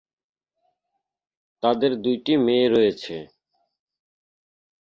তাদের দুইটি মেয়ে রয়েছে।